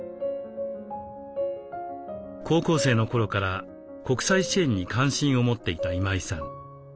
高校生の頃から国際支援に関心を持っていた今井さん。